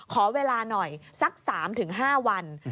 ขอเวลาหน่อยสัก๓๕วัน